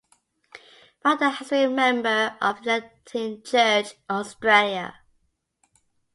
Rudder has been a member of the Uniting Church in Australia.